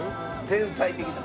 前菜的な。